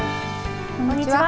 こんにちは。